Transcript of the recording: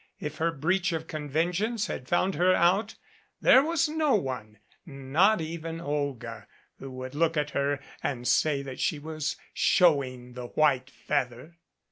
If her breach of conventions had found her out, there was no one, not even Olga, who would look at her and say that she was showing the white feather.